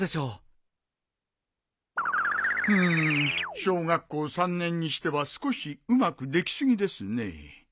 うん。小学校３年にしては少しうまく出来過ぎですね。